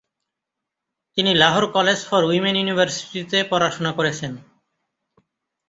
তিনি Lahore college for women ইউনিভার্সিটিতে পড়াশোনা করেছেন।